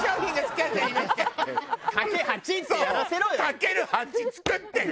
「掛ける８」作ってよ！